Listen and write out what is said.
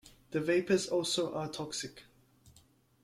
The vapors also are toxic.